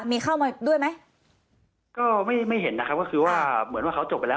มีเข้ามาด้วยไหมก็ไม่ไม่เห็นนะครับก็คือว่าเหมือนว่าเขาจบไปแล้ว